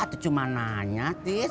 itu cuma nanya tis